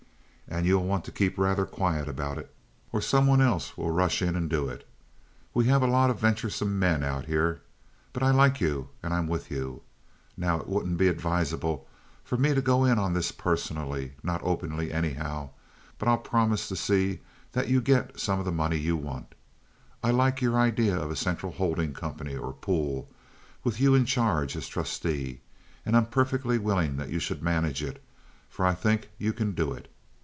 And you'll want to keep rather quiet about it, or some one else will rush in and do it. We have a lot of venturesome men out here. But I like you, and I'm with you. Now it wouldn't be advisable for me to go in on this personally—not openly, anyhow—but I'll promise to see that you get some of the money you want. I like your idea of a central holding company, or pool, with you in charge as trustee, and I'm perfectly willing that you should manage it, for I think you can do it.